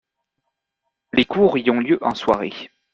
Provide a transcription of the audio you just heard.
Les cours y ont lieu en soirée.